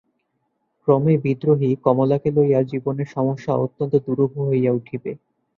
ক্রমেই বিদ্রোহী কমলাকে লইয়া জীবনের সমস্যা অত্যন্ত দুরূহ হইয়া উঠিবে।